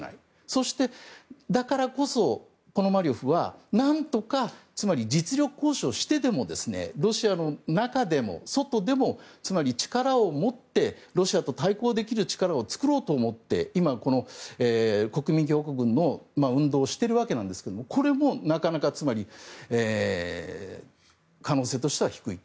そしてだからこそポノマリョフは何とかつまり実力行使をしてでもロシアの中でも外でもつまり力を持ってロシアと対抗できる力を作ろうと思って今、国民共和国軍の運動をしているわけなんですがこれも、なかなか可能性としては低い。